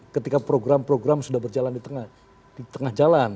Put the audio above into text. ketika program program sudah berjalan di tengah jalan